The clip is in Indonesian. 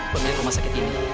pemilik rumah sakit ini